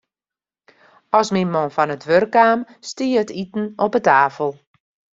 As myn man fan it wurk kaam, stie it iten op 'e tafel.